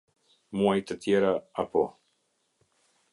Muaj të tjera, apo.